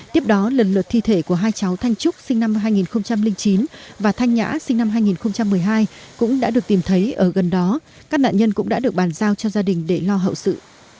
tiếp đó lần lượt thi thể của hai cháu thanh trúc sinh năm hai nghìn chín và thanh nhã sinh năm hai nghìn một mươi hai cũng đã được tìm thấy ở gần đó các nạn nhân cũng đã được bàn giao cho gia đình để lo hậu sự